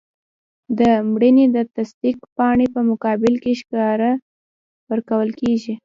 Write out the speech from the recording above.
د مړینې د تصدیق پاڼې په مقابل کې سکاره ورکول کیږي.